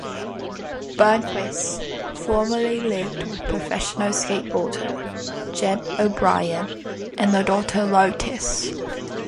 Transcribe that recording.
Burnquist formerly lived with professional skateboarder Jen O'Brien, and their daughter Lotus.